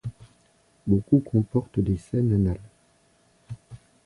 Beaucoup comportent des scènes anales.